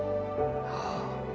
あぁ